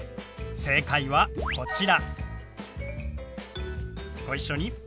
正解はこちら。